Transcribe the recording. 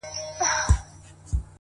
• لکه له باد سره الوتې وړۍ ,